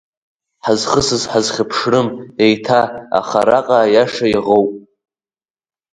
Ҳазхысыз, ҳазхьаԥшрым еиҭа, аха араҟа аиаша иаӷоуп…